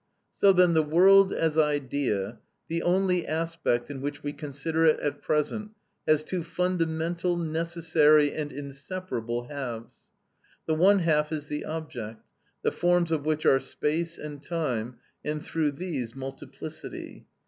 So then the world as idea, the only aspect in which we consider it at present, has two fundamental, necessary, and inseparable halves. The one half is the object, the forms of which are space and time, and through these multiplicity.